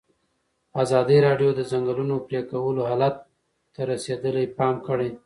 ازادي راډیو د د ځنګلونو پرېکول حالت ته رسېدلي پام کړی.